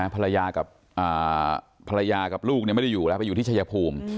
ภรรยากับภรรยากับลูกไม่ได้อยู่แล้วไปอยู่ที่ชายภูมิ